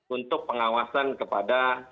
untuk pengawasan kepada